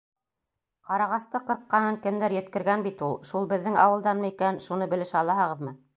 — Ҡарағасты ҡырҡҡанын кемдер еткергән бит ул. Шул беҙҙең ауылданмы икән, шуны белешә алаһығыҙмы?